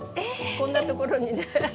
こんなところにねハハハ。